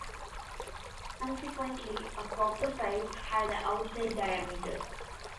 Consequently, a copper pipe had a outside diameter.